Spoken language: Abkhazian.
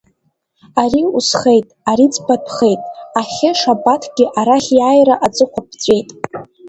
Ари усхеит, ари ӡбатәхеит, ахьы Шабаҭгьы арахь иааира аҵыхәа ԥҵәеит.